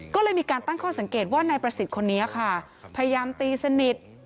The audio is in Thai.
ก็เลยมีการตั้งข้อสังเกตว่านายประสิทธิ์คนนี้ค่ะพยายามตีสนิท